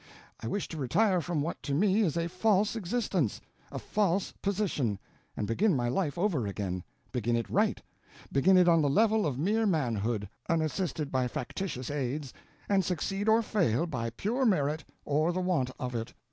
I wish to retire from what to me is a false existence, a false position, and begin my life over again—begin it right—begin it on the level of mere manhood, unassisted by factitious aids, and succeed or fail by pure merit or the want of it.